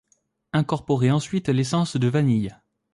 Incorporer ensuite l'essence de vanille.